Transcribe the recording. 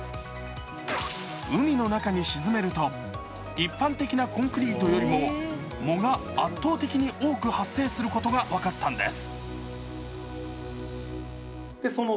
海の中に沈めると一般的なコンクリートよりも藻が圧倒的に多く発生することが分かったんです。